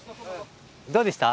どうでした？